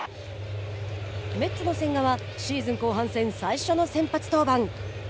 メッツの千賀はシーズン後半戦最初の先発登板。